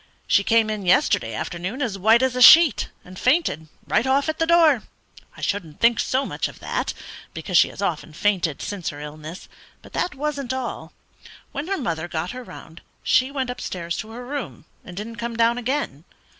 She came in yesterday afternoon as white as a sheet, and fainted right off at the door. I shouldn't think so much of that, because she has often fainted since her illness, but that wasn't all. When her mother got her round she went upstairs to her room, and didn't come down again.